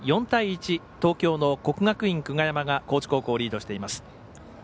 ４対１、東京の国学院久我山が高知高校をリードしています。